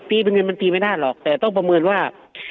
ปีเป็นเงินเป็นปีไม่ได้หรอกแต่ต้องประเมินว่า